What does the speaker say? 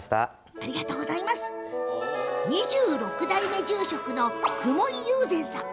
２６代目住職の雲井雄善さん。